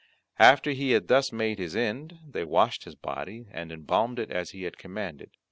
After he had thus made his end they washed his body and embalmed it as he had commanded.